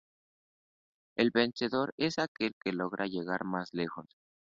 El vencedor es aquel que logra llegar más lejos.